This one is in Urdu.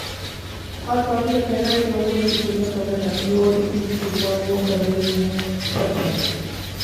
ہر پارٹی کا کہنا ہے کے وہ ملک کی خدمت کرنا چاہتی ہے اور جتنی خدمات وہ کرر ہی ہیں سب جانتے ہیں